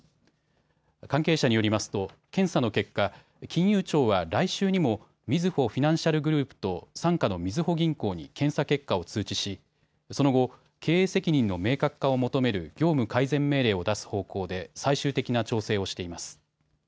関係者によりますと検査の結果、金融庁は来週にもみずほフィナンシャルグループと傘下のみずほ銀行に検査結果を通知し、その後、経営責任の明確化を求める業務改善命令を出す方向で最終的な調整をしています。